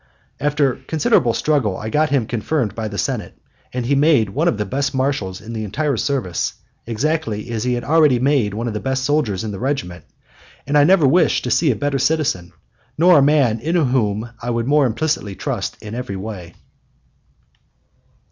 After considerable struggle I got him confirmed by the Senate, and he made one of the best marshals in the entire service, exactly as he had already made one of the best soldiers in the regiment; and I never wish to see a better citizen, nor a man in whom I would more implicitly trust in every way.